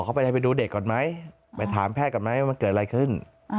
เขาไปไหนไปดูเด็กก่อนไหมไปถามแพทย์ก่อนไหมว่ามันเกิดอะไรขึ้น